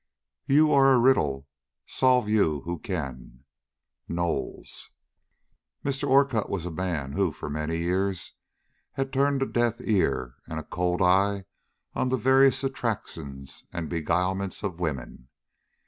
You are a riddle, solve you who can. KNOWLES. MR. ORCUTT was a man who for many years had turned a deaf ear and a cold eye to the various attractions and beguilements of woman.